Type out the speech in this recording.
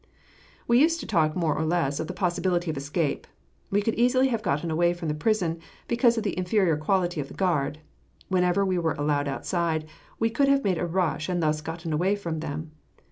We used to talk more or less of the possibility of escape. We could easily have gotten away from the prison, because of the inferior quality of the guard. Whenever we were allowed outside, we could have made a rush, and thus gotten away from them.